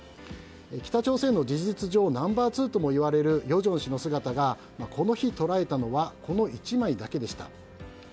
北朝鮮の事実上ナンバー２ともいわれる与正氏の姿がこの日、捉えたのはこの１枚だけでした。